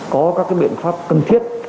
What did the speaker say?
có các cái biện pháp cần thiết